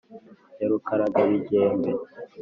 ya rukaragabigembe;